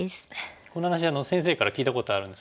この話先生から聞いたことあるんですけど。